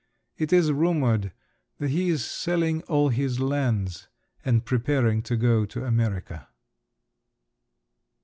It is rumoured that he is selling all his lands and preparing to go to America.